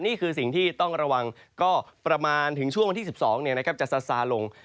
นี่คือสิ่งที่ต้องระวังก็ประมาณถึงช่วงวันที่๑๒จะซาลง